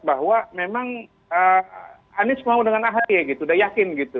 bahwa memang anies mau dengan ahy sudah yakin gitu